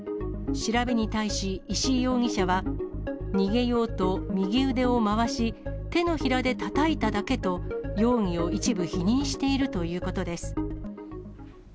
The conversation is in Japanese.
調べに対し石井容疑者は、逃げようと右腕を回し、手のひらでたたいただけと、容疑を一部否認しているということです。